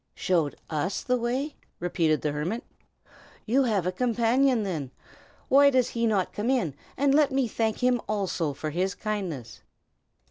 "Showed us the way?" repeated the hermit. "You have a companion, then? Why does he not come in, and let me thank him also for his kindness?"